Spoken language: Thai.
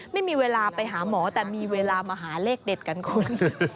ไม่มีเวลาไปหาหมอแต่มีเวลามาหาเลขเด็ดกันคุณ